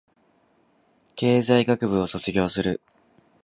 経済学部を卒業する